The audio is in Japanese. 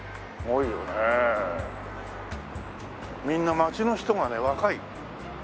みんな街の人がね若い。